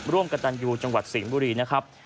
ร่วมกระตันยูจังหวัดสิงห์บุรีนะครับ